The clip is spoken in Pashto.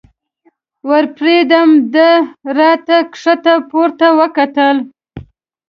ورپېدم، ده را ته ښکته پورته وکتل.